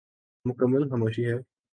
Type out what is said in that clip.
مکمل خاموشی ہے۔